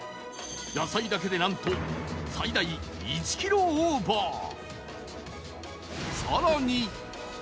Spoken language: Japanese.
野菜だけでなんと最大１キロオーバー